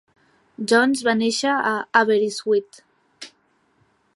Jones va néixer a Aberystwyth.